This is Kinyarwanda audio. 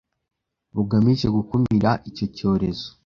bugamije gukumira icyo cyorezo